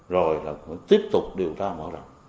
rồi là tiếp tục điều tra mở rộng